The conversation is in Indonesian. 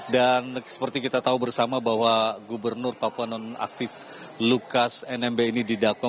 dan seperti kita tahu bersama bahwa gubernur papua nonaktif lukas nmb ini didakwa